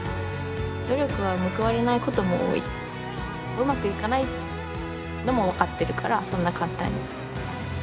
うまくいかないのも分かってるからそんな簡単に。